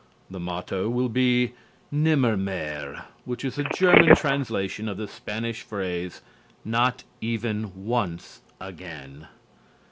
The motto will be "Nimmermehr," which is a German translation of the Spanish phrase "Not even once again."